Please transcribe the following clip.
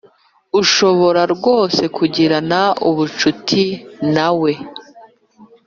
Ushobora rwose kugirana ubucuti nawe